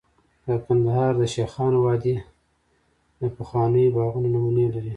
د کندهار د شیخانو وادي د پخوانیو باغونو نمونې لري